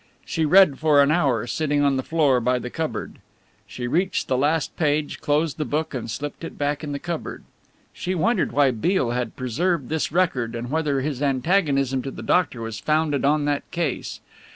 She read for an hour, sitting on the floor by the cupboard. She reached the last page, closed the book and slipped it back in the cupboard. She wondered why Beale had preserved this record and whether his antagonism to the doctor was founded on that case.